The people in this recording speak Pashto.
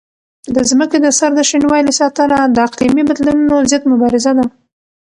د ځمکې د سر د شینوالي ساتنه د اقلیمي بدلونونو ضد مبارزه ده.